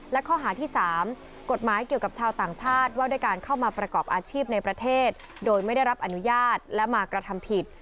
และข้อหาที่๓กฎหมายเกี่ยวกับชาวต่างชาติว่าด้วยการเข้ามาประกอบอาชีพในประเทศโดยไม่ได้รับอนุญาตและมากระทำผิด